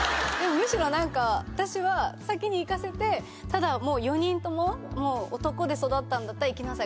むしろ何か私は先に行かせてただもう４人とも男で育ったんだったら行きなさい